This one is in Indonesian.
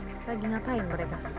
artinya lagi ngapain mereka